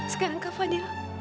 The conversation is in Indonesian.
sekarang kak fadil